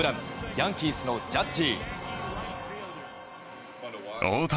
ヤンキースのジャッジ。